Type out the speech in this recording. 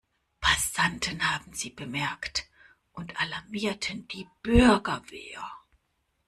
Passanten hatten sie bemerkt und alarmierten die Bürgerwehr.